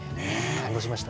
感動しました。